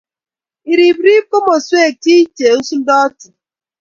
Iribrib komoswek chi che usundotin